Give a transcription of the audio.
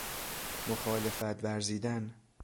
مخالفت ورزیدن